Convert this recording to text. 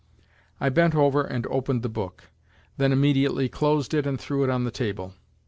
I bent over and opened the book, then immediately closed it and threw it on the table.